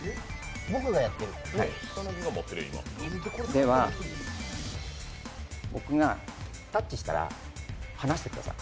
では、僕がタッチしたら離してください。